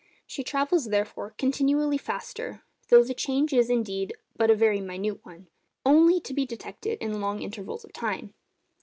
She travels, therefore, continually faster and faster, though the change is indeed but a very minute one;—only to be detected in long intervals of time.